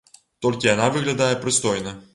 Толькі яна выглядае прыстойна.